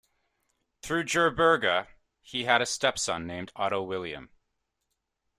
Through Gerberga, he had a stepson named Otto William.